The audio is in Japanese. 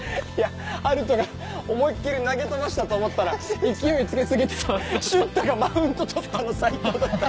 春斗が思いっ切り投げ飛ばしたと思ったら勢いつき過ぎて瞬太がマウント取ったの最高だった。